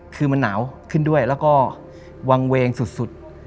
คือมันหนาวขึ้นด้วยแล้วก็วางเวงสุด